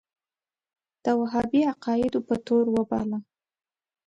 د وهابي عقایدو په تور وباله.